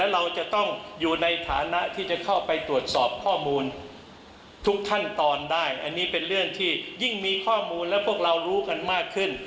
รู้กันมากขึ้น